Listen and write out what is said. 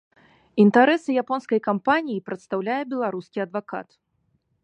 Інтарэсы японскай кампаніі прадстаўляе беларускі адвакат.